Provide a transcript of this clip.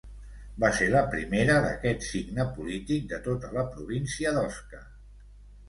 Va ser la primera d'aquest signe polític de tota la província d'Osca.